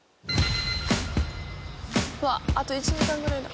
うわっあと１時間ぐらいだ。